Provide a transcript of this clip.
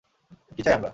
কী চাই আমরা?